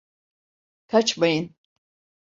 Kaçmayın!